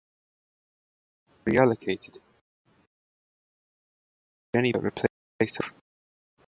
Her slot was reallocated, to Jeni Barnett who was later replaced herself.